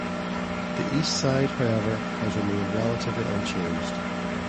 The east side, however, has remained relatively unchanged.